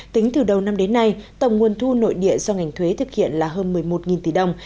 tính từ đầu năm đến nay tổng nguồn thu nội địa do ngành thuế thực hiện là hơn một mươi một tỷ đồng